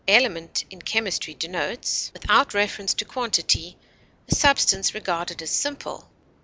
Element in chemistry denotes, without reference to quantity, a substance regarded as simple, _i.